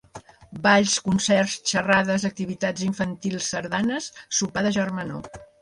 Balls, concerts, xerrades, activitats infantils, sardanes, sopar de germanor.